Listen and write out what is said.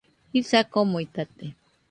Jisa komuitate